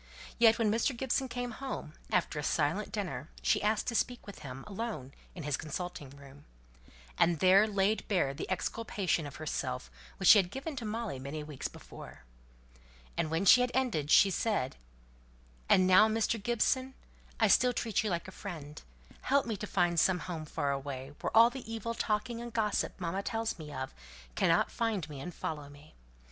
Yet when Mr. Gibson came home, after a silent dinner, she asked to speak with him, alone, in his consulting room; and there laid bare the exculpation of herself which she had given to Molly many weeks before. When she had ended, she said: "And now, Mr. Gibson, I still treat you like a friend, help me to find some home far away, where all the evil talking and gossip mamma tells me of cannot find me and follow me.